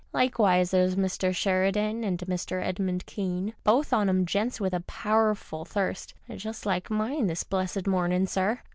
Likewise, there's Mr. Sheridan and Mr. Edmund Kcan, both on 'em gents with a powerful thirst — just like mine this blessed mornin', sir.''